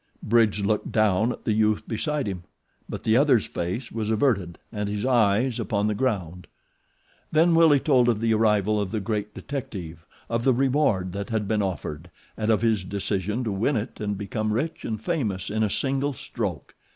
Bridge looked down at the youth beside him; but the other's face was averted and his eyes upon the ground. Then Willie told of the arrival of the great detective, of the reward that had been offered and of his decision to win it and become rich and famous in a single stroke.